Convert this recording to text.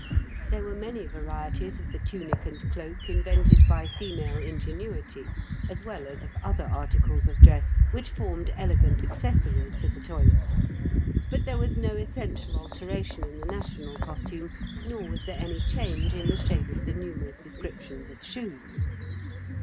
There were many varieties of the tunic and cloak invented by female ingenuity, as well as of other articles of dress, which formed elegant accessories to the toilet, but there was no essential alteration in the national costume, nor was there any change in the shape of the numerous descriptions of shoes.